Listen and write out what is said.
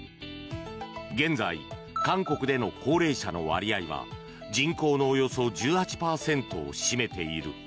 現在、韓国での高齢者の割合は人口のおよそ１８％を占めている。